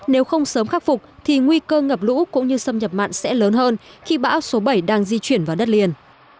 nếu không sớm khắc phục thì nguy cơ ngập lũ cũng như xâm nhập mặn sẽ lớn hơn khi bão số bảy đang di chuyển vào đất liền